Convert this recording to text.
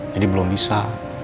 jadi belum bisa